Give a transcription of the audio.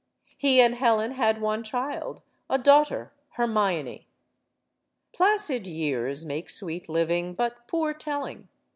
He and Helen had one child, a daughter, Hermione. Placid years make sweet living, but poor telling.